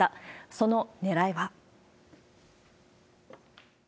そのねらいは。